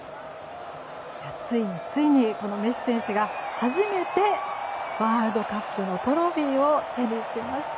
ついに、ついにメッシ選手が初めてワールドカップのトロフィーを手にしました。